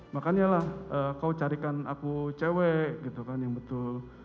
makanya lah kau carikan aku cewek gitu kan yang betul